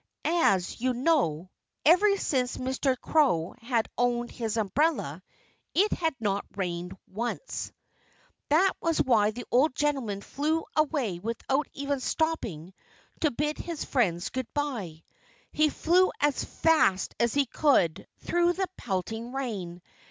As you know, ever since Mr. Crow had owned his umbrella it had not rained once. That was why the old gentleman flew away without even stopping to bid his friends good by. He flew as fast as he could, through the pelting rain.